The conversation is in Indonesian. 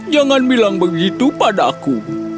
jangan bilang begitu padaku